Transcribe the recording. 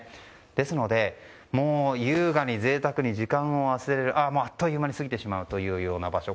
ですので、優雅に贅沢に時間を忘れてあっという間に過ぎてしまうという場所。